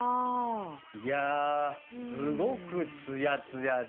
いやすごくつやつやですね。